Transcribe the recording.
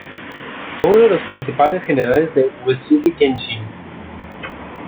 Fue uno de los principales generales de Uesugi Kenshin.